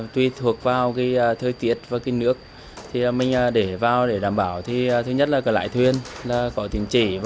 tuy thuộc vào thời tiết và nước mình để vào để đảm bảo thứ nhất là lái thuyền có tiền trị